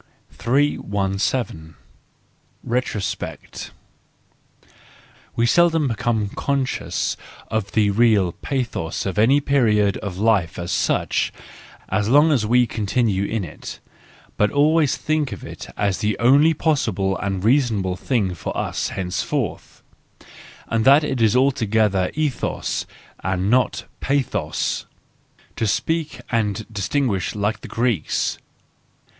317 Retrospect .—We seldom become conscious of the real pathos of any period of life as such, as long as we continue in it, but always think it is the only possible and reasonable thing for us henceforth, and that it is altogether ethos and not pathos *—to speak and distinguish like the Greeks.